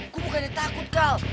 gua bukannya takut kal